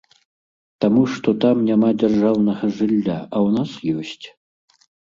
Таму што там няма дзяржаўнага жылля, а ў нас ёсць.